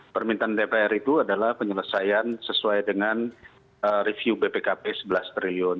permintaan dpr itu adalah penyelesaian sesuai dengan review bpkp sebelas triliun